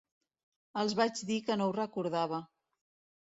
Els vaig dir que no ho recordava.